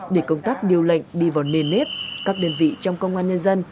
để công tác điều lệnh đi vào nền nếp các đơn vị trong công an nhân dân